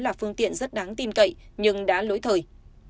là phương tiện rất đáng tin cậy nhưng đã lỗi thời